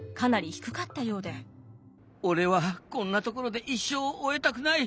俺はこんなところで一生を終えたくない。